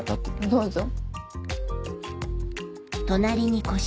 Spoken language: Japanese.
どうぞ。